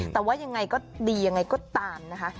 แต่ว่ายังไงก็ดียังไงก็ตามนะคะ